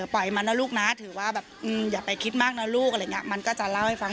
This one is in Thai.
ปล่อยมันนะลูกนะถือว่าอย่าไปคิดมากนะลูกมันก็จะเล่าให้ฟัง